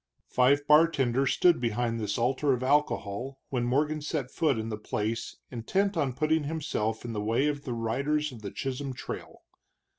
Five bartenders stood behind this altar of alcohol when Morgan set foot in the place intent on putting himself in the way of the riders of the Chisholm Trail.